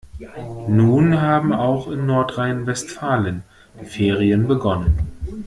Nun haben auch in Nordrhein-Westfalen die Ferien begonnen.